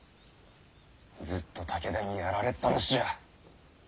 ずっと武田にやられっぱなしじゃ。